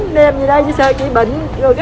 đem về đây chứ sao chị bệnh